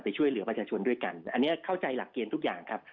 ช่วยเหลือประชาชนด้วยกันอันนี้เข้าใจหลักเกณฑ์ทุกอย่างครับ